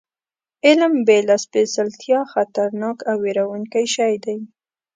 علم بې له سپېڅلتیا خطرناک او وېروونکی شی دی.